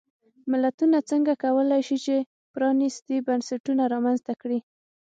ملتونه څنګه کولای شي چې پرانیستي بنسټونه رامنځته کړي.